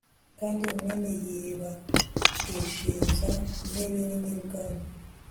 Kandi umwami yibarishiriza intebe nini y ubwami